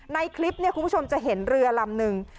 ในคลิปเนี่ยคุณผู้ชมจะเห็นเรือลำนึง